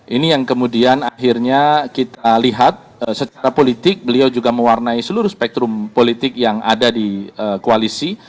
ini yang kemudian akhirnya kita lihat secara politik beliau juga mewarnai seluruh spektrum politik yang ada di koalisi